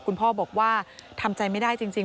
คุณพ่อบอกว่าทำใจไม่ได้จริง